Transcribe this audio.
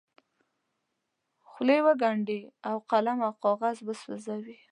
خولې وګنډي او قلم او کاغذ وسوځوي.